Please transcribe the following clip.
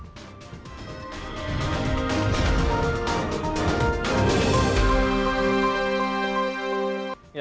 berita terkini mengenai cuaca ekstrem dua ribu dua puluh satu